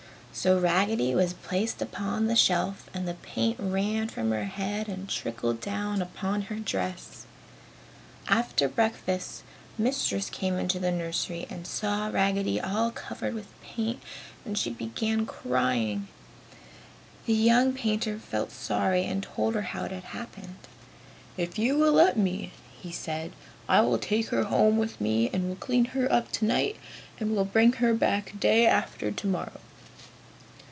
So Raggedy was placed back upon the shelf and the paint ran from her head and trickled down upon her dress. After breakfast, Mistress came into the nursery and saw Raggedy all covered with paint and she began crying. The young painter felt sorry and told her how it had happened. "If you will let me," he said, "I will take her home with me and will clean her up tonight and will bring her back day after tomorrow."